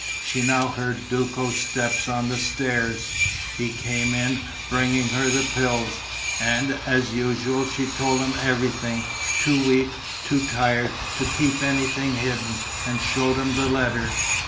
She now heard Duco's steps on the stairs.... He came in, bringing her the pills.... And, as usual, she told him everything, too weak, too tired, to keep anything hidden, and showed him the letter.